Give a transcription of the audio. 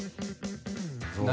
何？